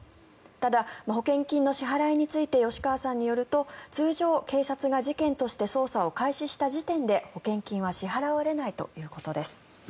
ただ、保険金の支払いについて吉川さんによると通常、警察が事件として捜査を開始した時点で保険金は支払われないということです。